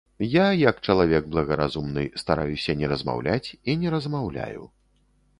Я, як чалавек благаразумны, стараюся не размаўляць і не размаўляю.